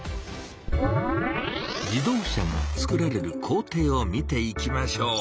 自動車がつくられる工程を見ていきましょう。